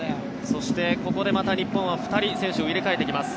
そしてここでまた日本は２人、選手を入れ替えてきます。